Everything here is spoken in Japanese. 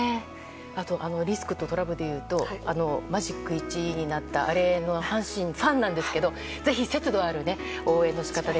リスクとトラブルでいうとマジック１になったアレの阪神ファンなんですがぜひ、節度ある応援のし方で。